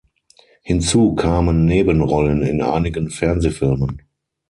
Hinzu kamen Nebenrollen in einigen Fernsehfilmen.